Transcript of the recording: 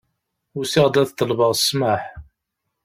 Usiɣ-d ad ḍelbeɣ ssmaḥ.